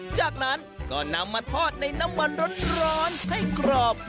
จากนั้นก็นำมาทอดในน้ำมันร้อนให้กรอบ